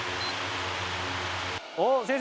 おっ先生